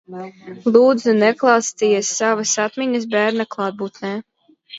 Lūdzu neklāstiet savas atmiņas bērna klātbūtnē!